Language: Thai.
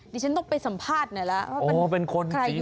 นี่ฉันต้องไปสัมภาษณ์ไหนล่ะ